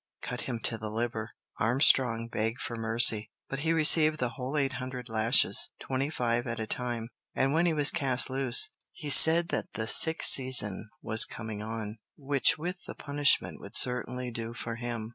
cut him to the liver!" Armstrong begged for mercy, but he received the whole eight hundred lashes, twenty five at a time; and when he was cast loose, he said that the sick season was coming on, which with the punishment would certainly do for him.